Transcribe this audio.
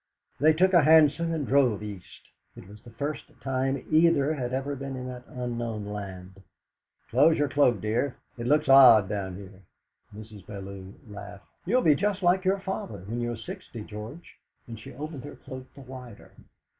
They took a hansom and drove East. It was the first time either had ever been in that unknown land. "Close your cloak, dear; it looks odd down here." Mrs. Bellew laughed. "You'll be just like your father when you're sixty, George." And she opened her cloak the wider.